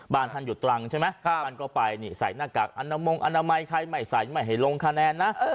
บ้านท่านอยู่ตรังใช่ไหมบ้านก็ไปใส่หน้ากากอนามัยใครใหม่ใส่ให้ลงคะแนนนะ